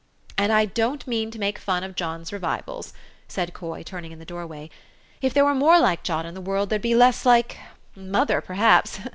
"And I don't mean to make fun of John's revivals," said Coy, turning in the doorway. "If there were more like John in the world, there'd be less like mother, perhaps.